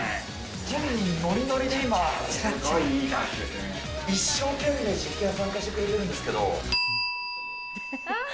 本人、ノリノリで今、一生懸命、実験に参加してくれてるんですけど。